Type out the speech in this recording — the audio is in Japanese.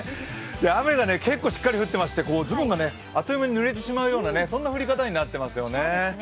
雨が結構しっかり降っていまして、ズボンがあっという間にぬれてしまうような降り方になっています。